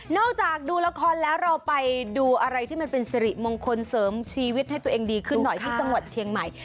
จากดูละครแล้วเราไปดูอะไรที่มันเป็นสิริมงคลเสริมชีวิตให้ตัวเองดีขึ้นหน่อยที่จังหวัดเชียงใหม่